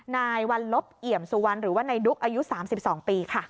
นายวัลลบเอี่ยมสุวรรณหรือว่านายดุ๊กอายุ๓๒ปีค่ะ